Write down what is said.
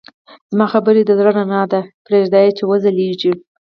زما خبرې د زړه رڼا ده، پرېږده چې وځلېږي.